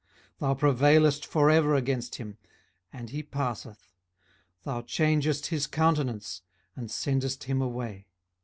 18:014:020 Thou prevailest for ever against him, and he passeth: thou changest his countenance, and sendest him away.